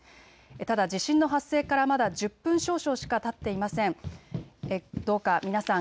ただ地震の発生からまだ１０分少々しかたっていません。